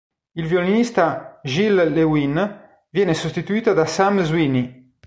Il violinista Giles Lewin viene sostituito da Sam Sweeney.